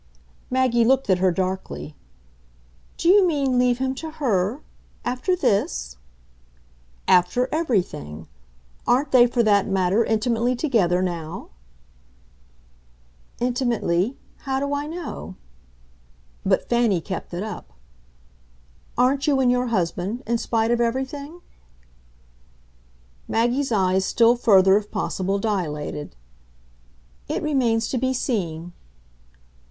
Maggie looked at her darkly. "Do you mean leave him to HER? After this?" "After everything. Aren't they, for that matter, intimately together now?" "'Intimately' ? How do I know?" But Fanny kept it up. "Aren't you and your husband in spite of everything?" Maggie's eyes still further, if possible, dilated. "It remains to be seen!"